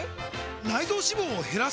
内臓脂肪を減らす！？